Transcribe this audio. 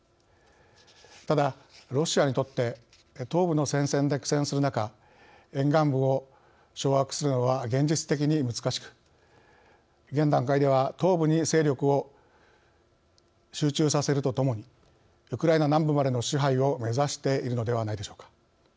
ただ、ロシアにとって東部の戦線で苦戦する中沿岸部を掌握するのは現実的に難しく、現段階では東部に勢力を集中させるとともにウクライナ南部までの支配を目指しているのではないでしょうか。